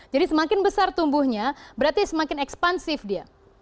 jadi semakin besar tumbuhnya berarti semakin ekspansif dia